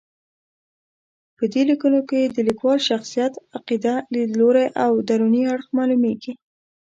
په دې لیکنو کې د لیکوال شخصیت، عقیده، لید لوری او دروني اړخ معلومېږي.